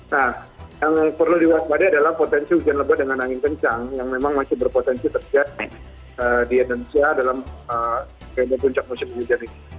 nah yang perlu diwaspadai adalah potensi hujan lebat dengan angin kencang yang memang masih berpotensi terjadi di indonesia dalam periode puncak musim hujan ini